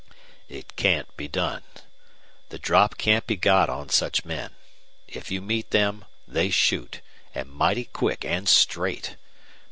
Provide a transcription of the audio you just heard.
"It can't be done. The drop can't be got on such men. If you meet them they shoot, and mighty quick and straight.